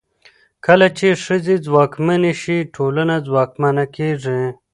کله چې ښځې ځواکمنې شي، ټولنه ځواکمنه کېږي.